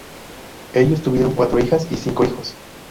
Ellos tuvieron cuatro hijas y cinco hijos.